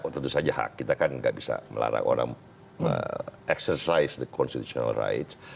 tentu saja hak kita kan nggak bisa melarang orang exercise the constitutional rights